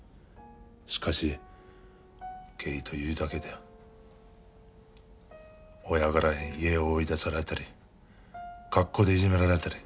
しかしゲイというだけで親から家を追い出されたり学校でいじめられたり。